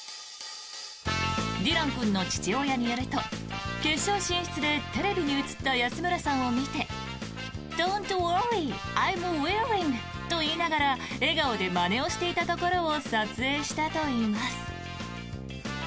ディラン君の父親によると決勝進出でテレビに映った安村さんを見てドント・ウォーリーアイム・ウェアリングと言いながら笑顔でまねをしていたところを撮影したといいます。